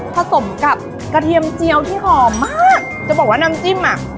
ผสมกับกระเทียมเจียวที่หอมมากจะบอกว่าน้ำจิ้มอ่ะ